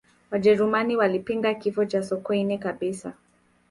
wajerumani walipinga kifo cha sokoine kabisa